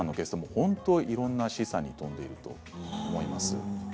本当にいろんな示唆に富んでいると思います。